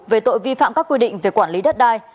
về tội vi phạm các quy định về quản lý đất đai